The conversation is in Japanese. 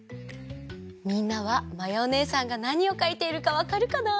みんなはまやおねえさんがなにをかいているかわかるかな？